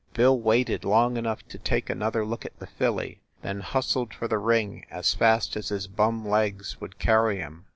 Bill waited long enough to take another look at the filly, then hustled for the ring as fast as his bum legs would carry him.